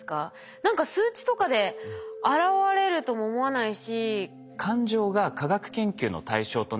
何か数値とかで表れるとも思わないし。